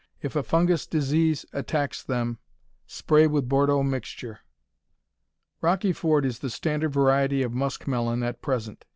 If a fungous disease attacks them spray with Bordeaux mixture. Rocky Ford is the standard variety of muskmelon at present.